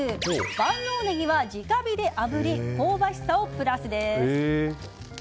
万能ネギは直火であぶり香ばしさをプラス！です。